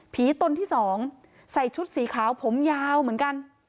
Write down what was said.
ตนที่สองใส่ชุดสีขาวผมยาวเหมือนกัน